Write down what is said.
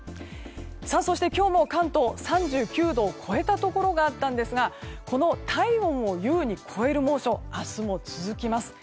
そして、今日も関東３９度を超えたところがあったんですがこの体温を優に超える猛暑明日も続きます。